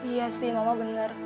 iya sih mama bener